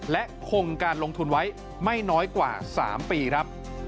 และคงการลงทุนไว้ไม่น้อยกว่า๓ปีครับ